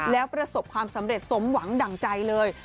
แล้วประสบความสำเร็จสมหวังดั่งใจเลย